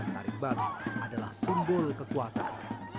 taring babi adalah simbol kekuatan